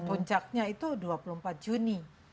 puncaknya itu dua puluh empat juni